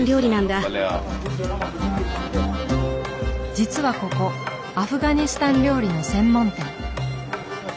実はここアフガニスタン料理の専門店。